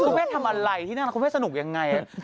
คุณเพรกทำอะไรที่นั่นคุณเพรกสนุกอย่างไร